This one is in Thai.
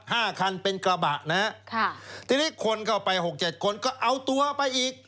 ห้าคันเป็นกระบะนะฮะค่ะทีนี้คนเข้าไปหกเจ็ดคนก็เอาตัวไปอีก